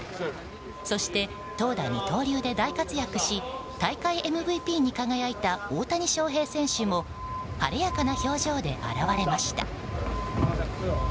そして、投打二刀流で大活躍し大会ＭＶＰに輝いた大谷翔平選手も晴れやかな表情で現れました。